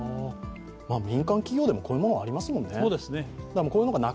民間企業でもこういうのもはありますもんね。